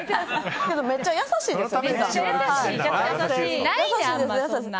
めっちゃ優しいですよ